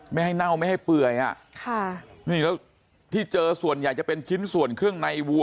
ไม่ให้เน่าไม่ให้เปื่อยอ่ะค่ะนี่แล้วที่เจอส่วนใหญ่จะเป็นชิ้นส่วนเครื่องในวัว